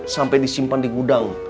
sampai disimpan di gudang